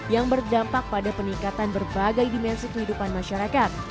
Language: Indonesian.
yang berdampak pada peningkatan berbagai dimensi kehidupan masyarakat